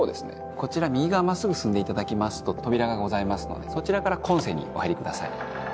こちら右側真っすぐ進んでいただきますと扉がございますのでそちらから今世にお入りください。